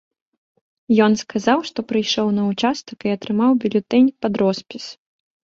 Ён сказаў, што прыйшоў на ўчастак і атрымаў бюлетэнь пад роспіс.